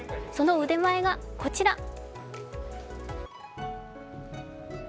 その腕前が、こちら。